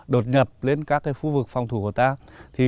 đột nhập lên các khu vực phòng thủ của ta